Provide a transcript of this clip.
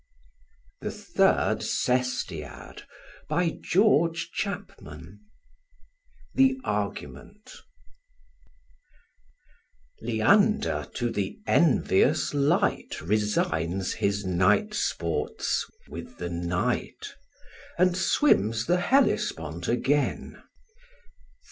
THE THIRD SESTIAD THE ARGUMENT OF THE THIRD SESTIAD Leander to the envious light Resigns his night sports with the night, And swims the Hellespont again.